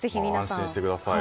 安心してください。